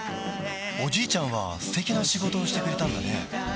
おじいちゃんは素敵な仕事をしてくれたんだね